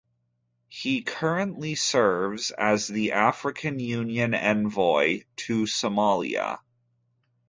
He currently serves as the African Union envoy to Somalia.